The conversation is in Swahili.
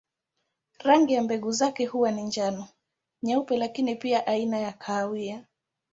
Rangi ya mbegu zake huwa ni njano, nyeupe lakini kuna pia aina za kahawia.